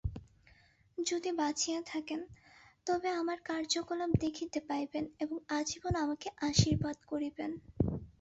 যদি বাঁচিয়া থাকেন, তবে আমার কার্যকলাপ দেখিতে পাইবেন এবং আজীবন আমাকে আশীর্বাদ করিবেন।